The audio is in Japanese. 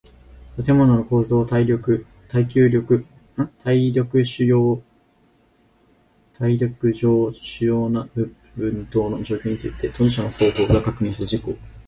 建物の構造耐力上主要な部分等の状況について当事者の双方が確認した事項